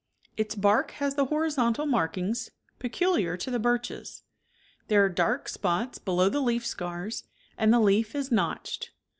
Its bark has 53 the horizontal markings peculiar to the birches. There are dark spots below the leaf scars, and the leaf is notched.